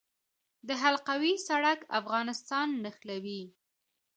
د حلقوي سړک افغانستان نښلوي